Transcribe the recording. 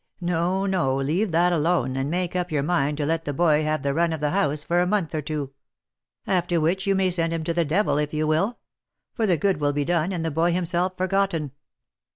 No, no, leave that alone, and make up your mind to let the boy have the run of the house for a month or two ; after which you may send him to the devil if you will ; for the good will be done, and the boy himself forgotten."